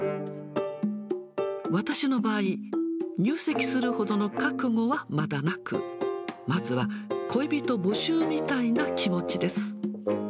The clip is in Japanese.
私の場合、入籍するほどの覚悟はまだなく、まずは恋人募集みたいな気持ちです。